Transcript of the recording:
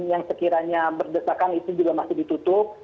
yang sekiranya berdesakan itu juga masih ditutup